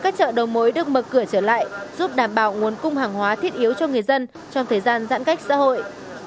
các chợ đầu mối được mở cửa trở lại giúp đảm bảo nguồn cung hàng hóa thiết yếu cho người dân trong thời gian giãn cách xã hội